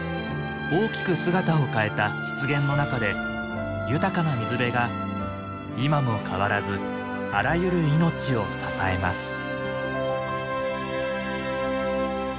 大きく姿を変えた湿原の中で豊かな水辺が今も変わらずあらゆる命を支えます。